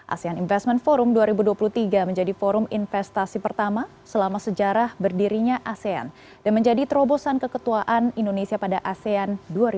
asean investment forum dua ribu dua puluh tiga menjadi forum investasi pertama selama sejarah berdirinya asean dan menjadi terobosan keketuaan indonesia pada asean dua ribu dua puluh